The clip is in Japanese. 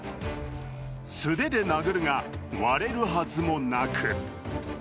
素手で殴るが、割れるはずもなく。